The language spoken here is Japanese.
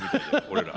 俺ら。